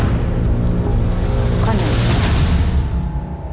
ข้อหนึ่ง